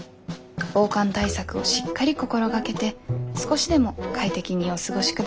防寒対策をしっかり心がけて少しでも快適にお過ごしください。